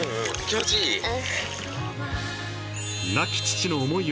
気持ちいい？